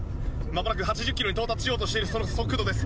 まもなく８０キロに到達しようとしているその速度です。